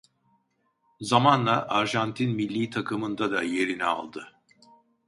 Zamanla Arjantin millî takımında da yerini aldı.